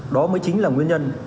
đó mới chính là nguyên nhân